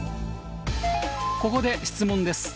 ここで質問です。